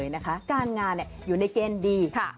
อย่างแรกเลยก็คือการทำบุญเกี่ยวกับเรื่องของพวกการเงินโชคลาภ